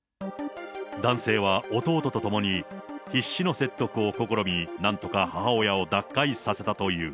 男性は、弟と共に、必死の説得を試み、なんとか母親を脱会させたという。